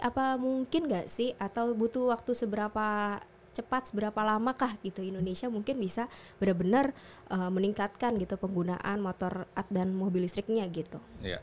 apa mungkin gak sih atau butuh waktu seberapa cepat seberapa lamakah gitu indonesia mungkin bisa benar benar meningkatkan gitu penggunaan motor dan mobil listriknya gitu